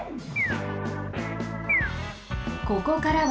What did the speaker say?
ここからは。